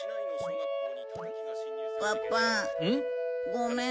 ごめん。